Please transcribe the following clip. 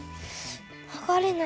はがれない。